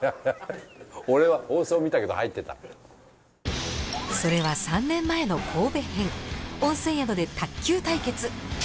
俺はそれは３年前の神戸編温泉宿で卓球対決。